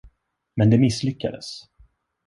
Men det misslyckades.